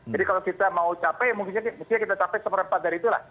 jadi kalau kita mau capek mungkin kita capek satu per empat dari itulah